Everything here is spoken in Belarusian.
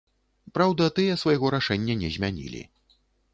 Праўда, тыя свайго рашэння не змянілі.